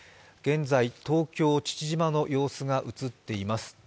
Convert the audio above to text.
現在、東京・父島の様子が映っています。